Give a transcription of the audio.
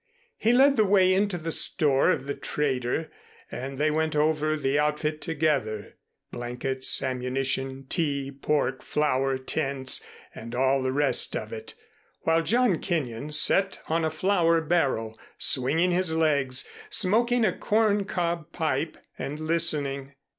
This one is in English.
He led the way into the store of the trader, and they went over the outfit together blankets, ammunition, tea, pork, flour, tents, and all the rest of it, while John Kenyon sat on a flour barrel, swinging his legs, smoking a corncob pipe and listening.